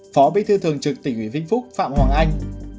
phó bí thư thường trực tỉnh uy vinh phúc phạm hoàng anh